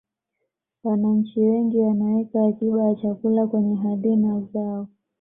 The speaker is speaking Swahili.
wananchi wengi wanaweka akiba ya chakula kwenye hadhina zao